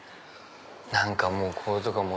何かもうこれとかもね。